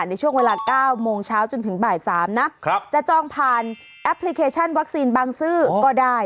ในช่วงเวลา๙โมงเช้าจนถึงบ่าย๓นะจะจองผ่านแอปพลิเคชันวัคซีนบางซื่อก็ได้